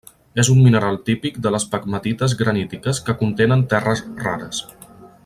És un mineral típic de les pegmatites granítiques que contenen terres rares.